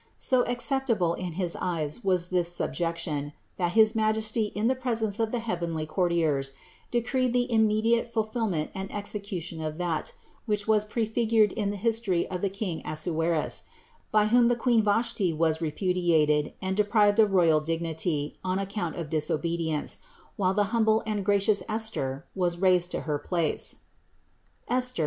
So acceptable in his eyes was this subjection, that his Majesty in the presence of the heavenly courtiers decreed the immediate fulfillment and execution of that, which was prefigured in the history of the king Assuerus, by whom the queen Vashti was repudiated and deprived of royal dignity on account of disobedience, while the humble and gracious Esther was raised to her place (Esther?